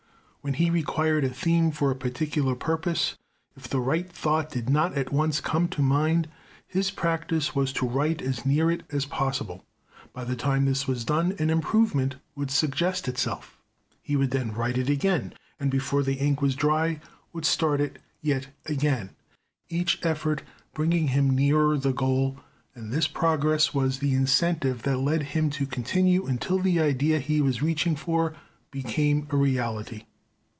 When he required a theme for a particular purpose, if the right thought did not at once come to mind, his practice was to write as near it as possible. By the time this was done an improvement would suggest itself. He would then write it again, and before the ink was dry, would start at it yet again, each effort bringing him nearer the goal, and this progress was the incentive that led him to continue until the idea he was reaching for became a reality.